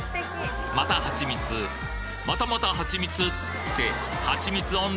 またはちみつまたまたはちみつって